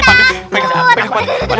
pak d pak d pak d